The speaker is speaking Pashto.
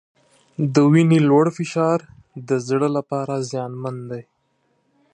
د وینې لوړ فشار د زړه لپاره زیانمن دی.